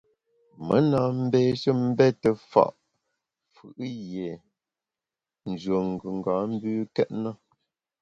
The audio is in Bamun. Me na mbeshe mbete fa’ fù’ yie nyùen gùnga mbükét na.